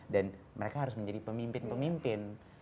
dan mereka harus menjadi pemimpin pemimpin